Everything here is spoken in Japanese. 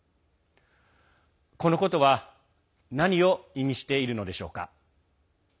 このことは何を意味しているのでしょうか。